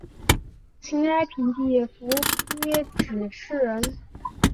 秦哀平帝苻丕氐族人。